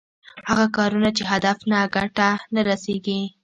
هغه کارونه چې هدف ته ګټه نه رسېږي.